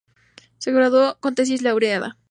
Se graduó con tesis laureada.